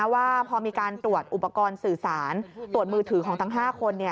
ว่าพอมีการตรวจอุปกรณ์สื่อสารตรวจมือถือของทั้ง๕คน